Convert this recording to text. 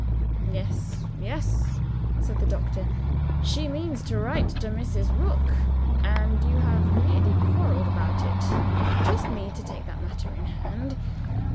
"Yes, yes," said the doctor; "she means to write to Mrs. Rook and you have nearly quarreled about it. Trust me to take that matter in hand.